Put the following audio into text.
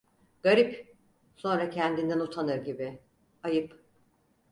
"Garip!" Sonra kendinden utanır gibi: "Ayıp…"